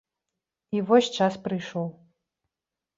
І вось час прыйшоў.